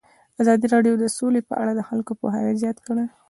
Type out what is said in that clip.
ازادي راډیو د سوله په اړه د خلکو پوهاوی زیات کړی.